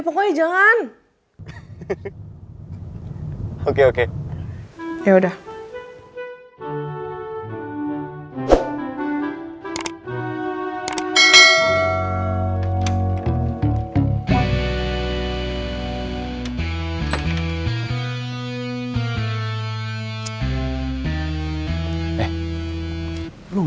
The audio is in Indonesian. pakai dress kayak tadi